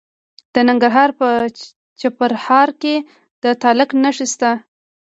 د ننګرهار په چپرهار کې د تالک نښې شته.